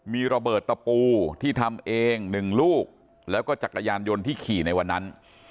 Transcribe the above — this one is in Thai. มีระเบิดตะปูที่ทำเอง๑ลูกแล้วก็จักรยานยนต์ที่ขี่ในวันนั้น